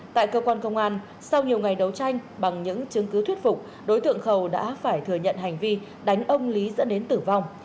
tại cơ quan công an sau nhiều ngày đấu tranh bằng những chứng cứ thuyết phục đối tượng khầu đã phải thừa nhận hành vi đánh ông lý dẫn đến tử vong